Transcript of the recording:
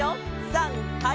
さんはい！